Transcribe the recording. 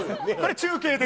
中継で？